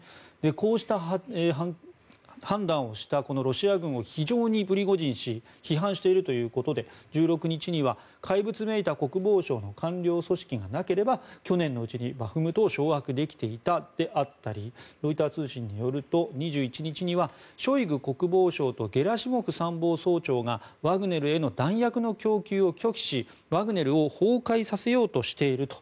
こうした判断をしたロシア軍を非常にプリゴジン氏批判しているということで１６日には怪物めいた国防省の官僚組織がなければ去年のうちにバフムトを掌握できていたであったりロイター通信によると２１日にはショイグ国防相とゲラシモフ参謀総長がワグネルへの弾薬の供給を拒否しワグネルを崩壊させようとしていると。